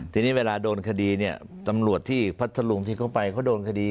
ทีนี้เวลาสำรวจที่พระสลุงที่เข้าไปเข้าโดนคดี